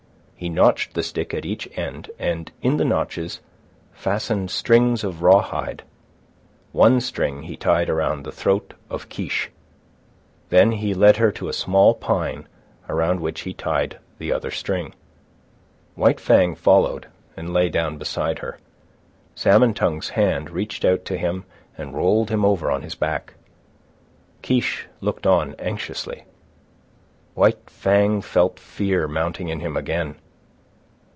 He notched the stick at each end and in the notches fastened strings of raw hide. One string he tied around the throat of Kiche. Then he led her to a small pine, around which he tied the other string. White Fang followed and lay down beside her. Salmon Tongue's hand reached out to him and rolled him over on his back. Kiche looked on anxiously. White Fang felt fear mounting in him again.